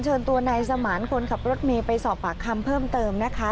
เชิญตัวนายสมานคนขับรถเมย์ไปสอบปากคำเพิ่มเติมนะคะ